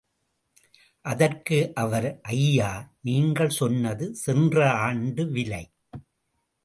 அதற்கு அவர், ஐயா, நீங்கள் சொன்னது சென்ற ஆண்டு விலை.